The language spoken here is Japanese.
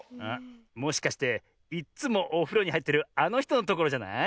もしかしていっつもおふろにはいってるあのひとのところじゃない？